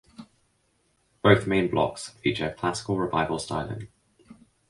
Both main blocks feature Classical Revival styling.